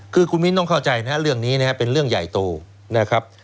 คือคุณมิ้นต้องเข้าใจนะครับเรื่องนี้นะครับเป็นเรื่องใหญ่โตนะครับ